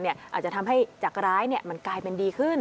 อาจจะทำให้จากร้ายมันกลายเป็นดีขึ้น